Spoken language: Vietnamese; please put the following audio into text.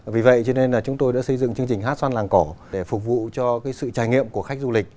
vì vậy chúng tôi đã xây dựng chương trình hát xoan làng cỏ để phục vụ cho sự trải nghiệm của khách du lịch